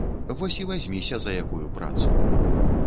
Вось і вазьміся за якую працу.